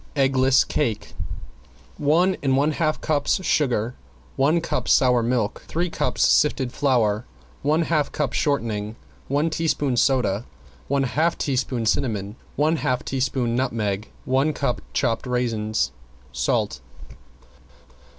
~EGGLESS CAKE~ One and one half cups sugar, one cup sour milk, three cups sifted flour, one half cup shortening, one teaspoon soda, one half teaspoon cinnamon, one half teaspoon nutmeg, one cup chopped raisins, salt.